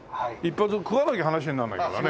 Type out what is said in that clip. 食わなきゃ話になんないからね。